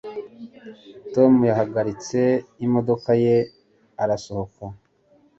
tom yahagaritse imodoka ye arasohoka